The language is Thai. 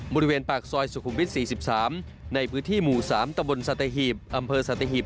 บริเวณปากซอยสุขุมวิท๔๓ในพื้นที่หมู่๓ตำบลสัตเทฮีบ